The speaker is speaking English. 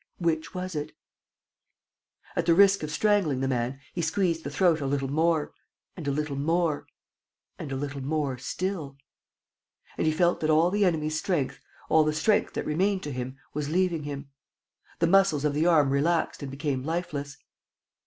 Which was it? At the risk of strangling the man, he squeezed the throat a little more ... and a little more ... and a little more still. ... And he felt that all the enemy's strength, all the strength that remained to him, was leaving him. The muscles of the arm relaxed and became lifeless.